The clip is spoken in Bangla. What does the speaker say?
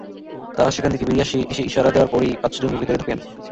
তাঁরা সেখান থেকে বেরিয়ে এসে ইশারা দেওয়ার পরই পাঁচ জঙ্গি ভেতরে ঢোকেন।